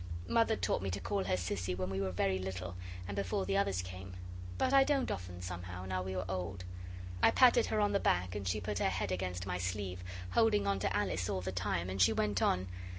Mother taught me to call her Sissy when we were very little and before the others came, but I don't often somehow, now we are old. I patted her on the back, and she put her head against my sleeve, holding on to Alice all the time, and she went on.